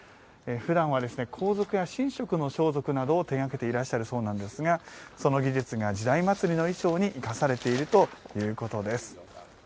ふだんは皇族や神職の装束などを手がけていらっしゃるそうなんですがその技術が「時代祭」の衣装に生かされているということです。